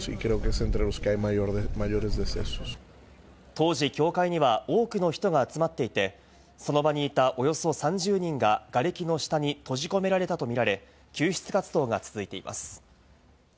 当時、教会には多くの人が集まっていて、その場にいた、およそ３０人ががれきの下に閉じ込められたとみられ、救出活動が続いています。